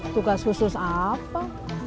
tugas khusus apa